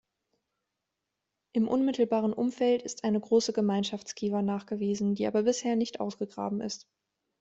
Im unmittelbaren Umfeld ist eine große Gemeinschafts-Kiva nachgewiesen, die aber bisher nicht ausgegraben ist.